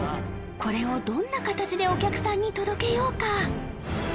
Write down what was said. これをどんな形でお客さんに届けようか？